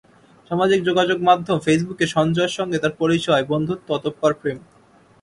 সামাজিক যোগাযোগমাধ্যম ফেসবুকে সঞ্জয়ের সঙ্গে তাঁর পরিচয়, বন্ধুত্ব; অতঃপর প্রেম।